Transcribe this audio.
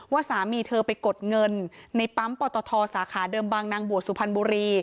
ว่าสามีเธอไปกดเงินในปั๊มปตทสาขาเดิมบางนางบวชสุพรรณบุรี